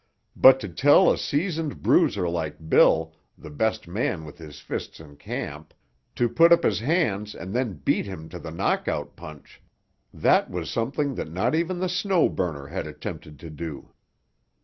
But to tell a seasoned bruiser like Bill, the best man with his fists in camp, to put up his hands and then beat him to the knockout punch—that was something that not even the Snow Burner had attempted to do.